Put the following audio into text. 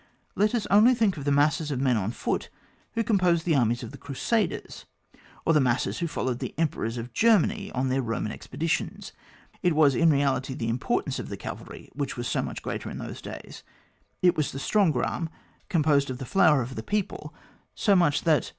Let us only think of the masses of men on foot who com posed the armies of the Crusaders, or the masses who followed the Emperors of Ger many on their Roman expeditions. It was in reality the importance of the cavalry which was so much greater in those days ; it was the stronger arm, composed of the flower of the people, so much so that.